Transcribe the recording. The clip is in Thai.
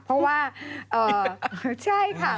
เพราะว่าใช่ค่ะ